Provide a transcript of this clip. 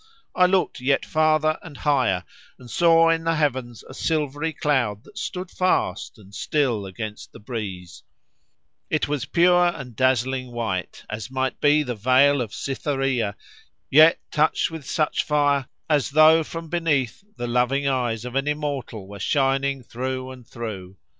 I looked yet farther and higher, and saw in the heavens a silvery cloud that stood fast and still against the breeze: it was pure and dazzling white, as might be the veil of Cytherea, yet touched with such fire, as though from beneath the loving eyes of an immortal were shining through and through.